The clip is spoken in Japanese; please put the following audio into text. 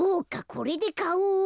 これでかおを。